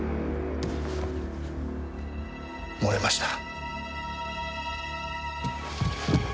漏れました。